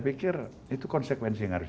apa itu tau memberping berasing